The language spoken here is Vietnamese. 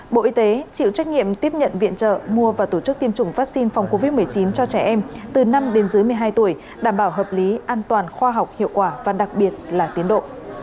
bộ y tế chịu trách nhiệm tiếp nhận viện trợ mua và tổ chức tiêm chủng vaccine phòng covid một mươi chín cho trẻ em từ năm đến dưới một mươi hai tuổi đảm bảo hợp lý an toàn khoa học hiệu quả và đặc biệt là tiến độ